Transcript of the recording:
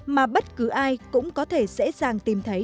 mà bất cứ ai cũng có thể dễ dàng tìm thấy